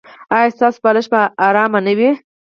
ایا ستاسو بالښت به ارام نه وي؟